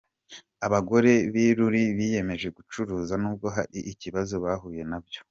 Abagore b’i Ruli biyemeje gucuruza nubwo hari ikibazo bahuye nabyo